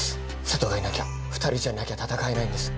佐都がいなきゃ２人じゃなきゃ戦えないんです。